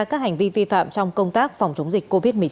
các hành vi vi phạm trong công tác phòng chống dịch covid một mươi chín